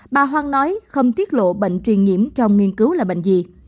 bà hoang nói không tiết lộ bệnh truyền nhiễm trong nghiên cứu là bệnh gì